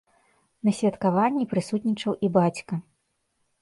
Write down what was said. На святкаванні прысутнічаў і бацька.